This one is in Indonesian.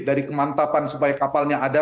dari kemantapan supaya kapalnya ada